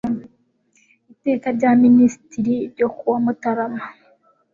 iteka rya mnisitiri ryo kuwa mutarama